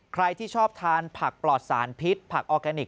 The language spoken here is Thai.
ใครที่ชอบทานผักปลอดสารพิษผักออร์แกนิค